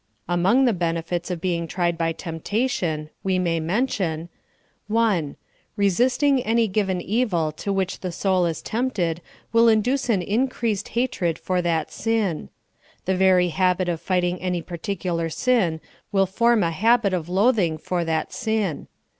Among the ben efits of being tried by temptation, we may mention ; 1. Resisting any given evil to which the soul is tempted will induce an increased hatred for that sin. The very habit of fighting any particular sin will form a habit of loathing for that sin.